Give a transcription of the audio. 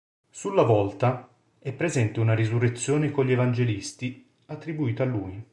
Sulla volta, è presente una "Risurrezione con gli Evangelisti" attribuita a lui.